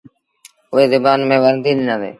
اُئي زبآن ميݩ ورنديٚ ڏنآندي۔